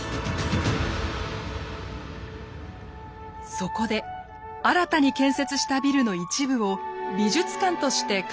そこで新たに建設したビルの一部を美術館として開放することにしたのです。